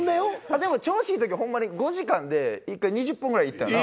でも調子いい時はホンマに５時間で１回２０本ぐらいいったよな。